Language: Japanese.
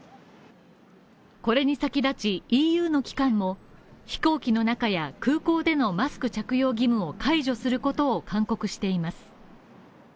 これに先立ちＥＵの機関も、飛行機の中や空港でのマスク着用義務を解除することを勧告しています。